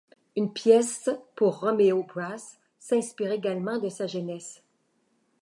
Une pièce pour Romeo Brass s'inspire également de sa jeunesse.